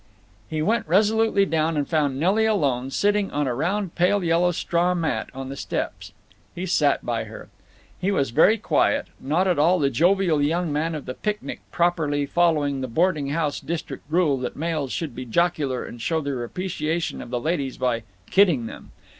He went resolutely down and found Nelly alone, sitting on a round pale yellow straw mat on the steps. He sat by her. He was very quiet; not at all the jovial young man of the picnic properly following the boarding house district rule that males should be jocular and show their appreciation of the ladies by "kidding them."